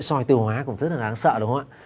soi tiêu hóa cũng rất là đáng sợ đúng không ạ